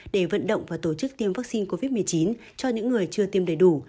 để vận động và tổ chức tiêm vaccine covid một mươi chín cho những người chưa tiêm đầy đủ